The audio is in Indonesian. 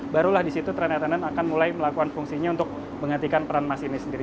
barulah di situ train attendant akan mulai melakukan fungsinya untuk mengatikan peran masinis sendiri